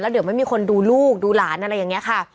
เดี๋ยวไม่มีคนดูลูกดูหลานอะไรอย่างนี้ค่ะ